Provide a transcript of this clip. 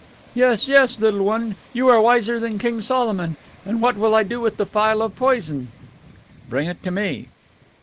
"Yes, yes, little one; you are wiser than King Solomon. And what will I do with the phial of poison?" "Bring it to me."